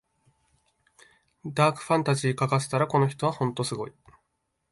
ダークファンタジー書かせたらこの人はほんとすごい